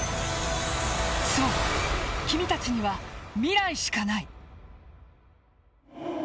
そう、君たちには未来しかない。